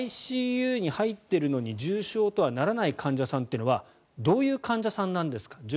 ＩＣＵに入っているのに重症とはならない患者さんはどういう患者さんなんですか。